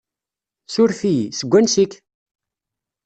Suref-iyi, seg wansi-k?